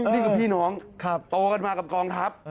นี่คือพี่น้องโตกันมากับกองทัพ